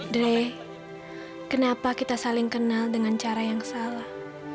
dray kenapa kita saling kenal dengan cara yang salah